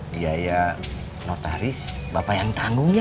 biaya notaris bapak yang tanggung ya